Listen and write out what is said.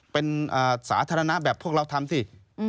เป็นสาธารณะแบบพวกเราทำสิ